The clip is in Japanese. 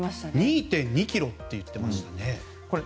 ２．２ｋｇって言っていましたね。